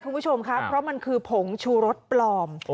คุณผู้ชมครับเพราะมันคือผงชูรสปลอม